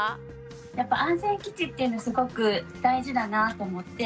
やっぱ安全基地っていうのすごく大事だなと思って。